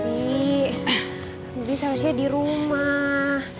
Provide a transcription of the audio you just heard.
bibi seharusnya di rumah